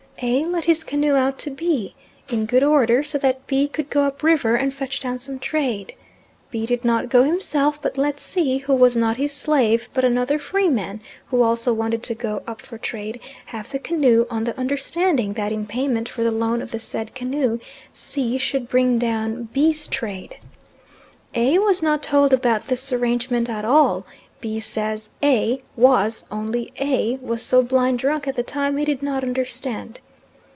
A. let his canoe out to B., in good order, so that B. could go up river, and fetch down some trade. B. did not go himself, but let C., who was not his slave, but another free man who also wanted to go up for trade, have the canoe on the understanding that in payment for the loan of the said canoe C. should bring down B's. trade. A. was not told about this arrangement at all. B. says A. was, only A. was so blind drunk at the time he did not understand.